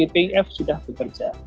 pif sudah bekerja